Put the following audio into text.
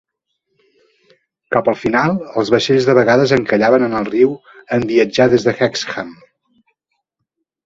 Cap al final, els vaixells de vegades encallaven en el riu en viatjar des de Hexham.